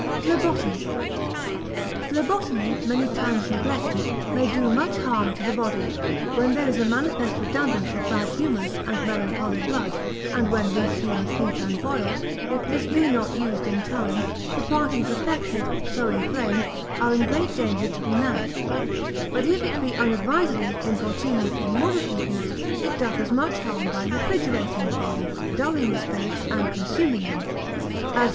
Phlebotomy.] Phlebotomy, many times neglected, may do much harm to the body, when there is a manifest redundance of bad humours, and melancholy blood; and when these humours heat and boil, if this be not used in time, the parties affected, so inflamed, are in great danger to be mad; but if it be unadvisedly, importunely, immoderately used, it doth as much harm by refrigerating the body, dulling the spirits, and consuming them: as Joh.